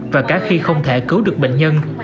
và cả khi không thể cứu được bệnh nhân